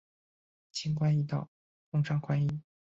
轻关易道，通商宽衣。